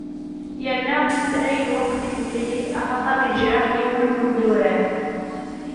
Yerna unefray lweqt i temlilit axaṭer yejreḥ yiwen n umyurar.